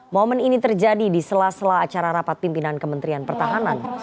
momen ini terjadi di sela sela acara rapat pimpinan kementerian pertahanan